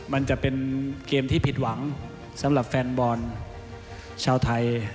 มันจะเป็นเกมที่ผิดหวังสำหรับแฟนบอลชาวไทย